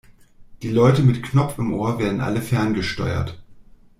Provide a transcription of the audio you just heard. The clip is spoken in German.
Die Leute mit Knopf im Ohr werden alle ferngesteuert.